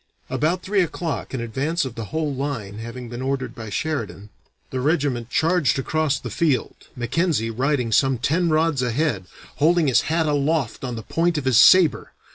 "About three o'clock, an advance of the whole line having been ordered by Sheridan, the regiment charged across the field, Mackenzie riding some ten rods ahead, holding his hat aloft on the point of his saber.